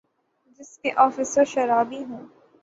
جس کے آفیسر شرابی ہوں